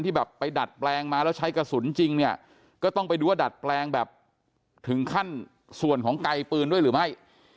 แบบไปดัดแปลงมาแล้วใช้กระสุนจริงเนี่ยก็ต้องไปดูว่าดัดแปลงแบบถึงขั้นส่วนของไกลปืนด้วยหรือไม่